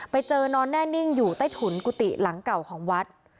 ไปเจอนอนแน่นิ่งอยู่ใต้ถุนกุฏิหลังเก่าของวัด